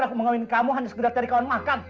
aku mengawin kamu hanya segera cari kawan makan